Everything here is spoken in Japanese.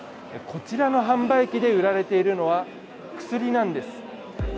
こちらの販売機で売られているのは薬なんです。